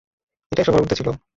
এটাই সবার উর্ধ্বে ছিল।